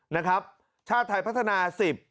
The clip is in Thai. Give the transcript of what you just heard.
นะครับชาติไทยพัฒนา๑๐